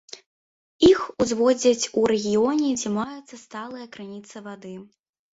Іх узводзяць у рэгіёне, дзе маюцца сталыя крыніцы вады.